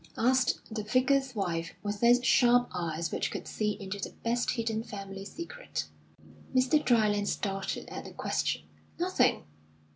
asked the Vicar's wife, with those sharp eyes which could see into the best hidden family secret. Mr. Dryland started at the question. "Nothing!"